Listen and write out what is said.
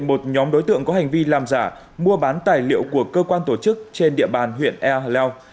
một nhóm đối tượng có hành vi làm giả mua bán tài liệu của cơ quan tổ chức trên địa bàn huyện ea hà leo